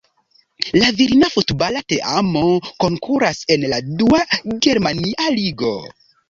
La virina futbala teamo konkuras en la dua germania ligo.